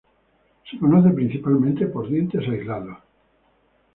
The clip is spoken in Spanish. Se conoce principalmente por dientes aislados.